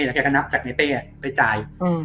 แล้วแกก็นับจากในเป้ไปจ่าย